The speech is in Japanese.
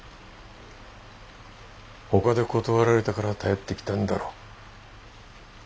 ほかで断られたから頼ってきたんだろ。